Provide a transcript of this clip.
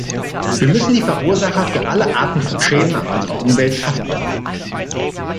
Wir müssen die Verursacher für alle Arten von Schäden an unserer Umwelt haftbar machen.